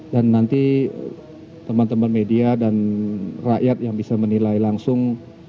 dan nanti teman teman media dan rakyat yang bisa menilai langsung